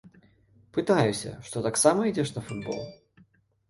Пытаюся, што таксама ідзеш на футбол.